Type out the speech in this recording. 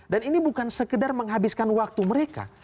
dan ini bukan sekedar menghabiskan waktu mereka